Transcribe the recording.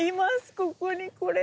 ここにこれが。